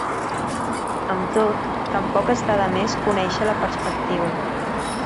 Amb tot, tampoc està de més conèixer la perspectiva.